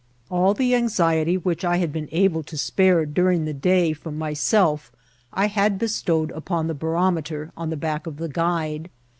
All the anxiety which I had been able to spare du* ring the day from myself I had bestowed upon the ba rometer on the back of the guide.